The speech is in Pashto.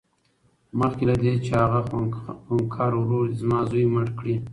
مخکې له دې چې هغه خونکار ورور دې زما زوى مړ کړي.